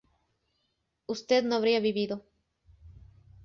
usted no habría vivido